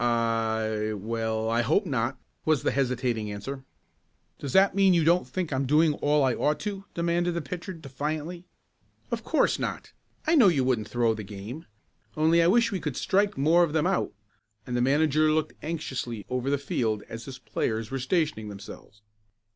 "I well I hope not," was the hesitating answer. "Does that mean you don't think I'm doing all I ought to?" demanded the pitcher defiantly. "Of course not. I know you wouldn't throw the game. Only I wish we could strike more of them out," and the manager looked anxiously over the field as his players were stationing themselves.